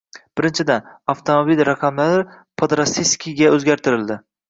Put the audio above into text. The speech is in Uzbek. Birinchidan, avtomobil raqamlari "Podrossiyskiy" ga o'zgartirildi